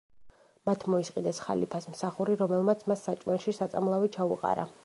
მათ მოისყიდეს ხალიფას მსახური, რომელმაც მას საჭმელში საწამლავი ჩაუყარა.